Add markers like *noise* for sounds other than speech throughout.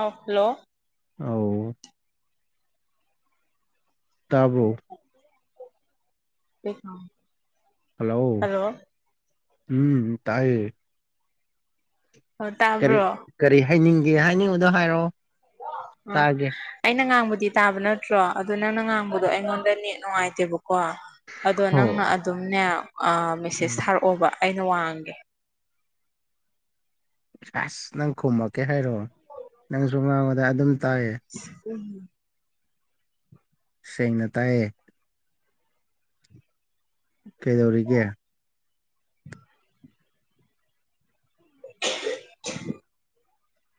ꯑ ꯍꯜꯂꯣ ꯑ ꯇꯥꯕꯣ ꯂꯩ ꯍꯜꯂꯣ ꯎꯝ ꯇꯥꯏꯦ ꯑꯣ ꯇꯥꯕ꯭ꯔꯣ ꯀꯔꯤ ꯍꯥꯏꯅꯤꯡꯒꯦ ꯍꯥꯏꯅꯤꯡꯕꯗꯣ ꯍꯥꯏꯔꯛꯑꯣ ꯑ ꯇꯥꯒꯦ ꯑꯩꯅ ꯉꯥꯡꯕꯗꯤ ꯗꯤ ꯇꯥꯕ ꯅꯠꯇ꯭ꯔꯣ ꯑꯗꯨꯣ ꯅꯪꯅ ꯉꯥꯡꯕꯗꯣ ꯑꯩꯉꯣꯟꯗ ꯅꯦꯠ ꯅꯨꯡꯉꯥꯏꯇꯦꯕꯀꯣ ꯀꯣ ꯑꯗꯣ ꯅꯪꯅ ꯍꯣ ꯑꯗꯨꯝꯅꯦ ꯃꯦꯁꯦꯁ ꯎꯝ ꯊꯥꯔꯛꯑꯣꯕ ꯑꯩꯅ ꯋꯥꯡꯒꯦ ꯑꯁ ꯅꯪ ꯈꯨꯝꯃꯛꯀꯦ ꯍꯥꯏꯔꯣ ꯅꯪꯁꯨ ꯃꯥꯡꯉꯗ ꯑꯗꯨꯝ ꯇꯥꯏꯌꯦ ꯎꯝ ꯁꯦꯡꯅ ꯇꯥꯏꯌꯦ ꯀꯩꯗꯧꯔꯤꯒꯦ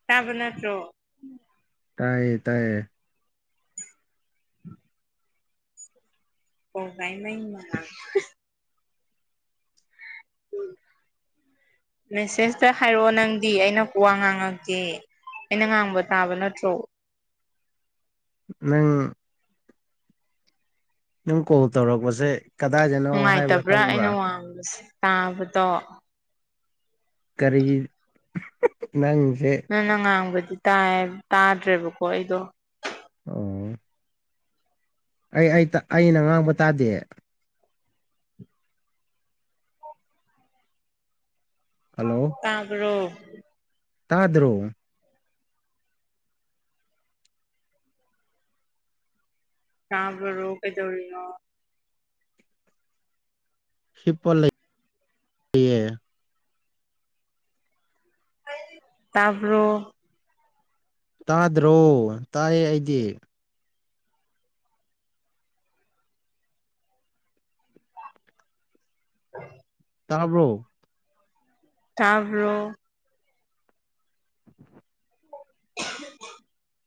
ꯇꯥꯕꯅꯠꯇ꯭ꯔꯣ ꯇꯥꯏꯌꯦ ꯇꯥꯏꯌꯦ ꯑꯣ ꯇꯥꯏꯃ ꯎꯝ ꯃꯦꯁꯦꯁꯇ ꯍꯥꯏꯔꯛꯑꯣ ꯅꯪꯗꯤ ꯑꯩꯅ ꯀꯋꯥ ꯉꯥꯡꯉꯛꯇꯦ ꯑꯩꯅ ꯉꯥꯡꯕ ꯇꯥꯕ ꯅꯠꯇ꯭ꯔꯣ ꯅꯪ ꯅꯪ ꯀꯣꯜ ꯇꯧꯔꯛꯄꯁꯦ ꯀꯗꯥꯏꯗꯅꯣ ꯍꯥꯏꯕ꯭ꯔꯥ ꯅꯨꯡꯉꯥꯏꯇꯕ꯭ꯔꯥ ꯈꯪꯕ꯭ꯔꯥ ꯑꯩꯅ ꯋꯥꯡꯕꯁꯦ ꯇꯥꯕꯗꯣ ꯀꯔꯤꯒꯤ ꯅꯪꯅ ꯉꯥꯡꯕꯗꯤ ꯇꯥꯏ ꯇꯥꯗ꯭ꯔꯦꯕꯀꯣ ꯑꯩꯗꯣ ꯑꯣ ꯑꯩ ꯑꯩꯅ ꯉꯥꯡꯕ ꯇꯥꯗꯦ ꯍꯜꯂꯣ ꯇꯥꯒ꯭ꯔꯣ ꯇꯥꯗ꯭ꯔꯣ ꯆꯕ꯭ꯔ ꯔꯣ ꯀꯩ ꯇꯧꯔꯤꯣ ꯍꯤꯄ ꯂꯩ ꯇꯥꯕꯔꯣ ꯇꯥꯗ꯭ꯔꯣ ꯇꯥꯏꯌꯦ ꯑꯩꯗꯤ *unintelligible* ꯇꯥꯕ꯭ꯔꯣ ꯇꯕꯔꯣ *unintelligible* *unintelligible*